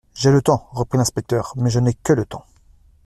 J'ai le temps, reprit l'inspecteur, mais je n'ai que le temps.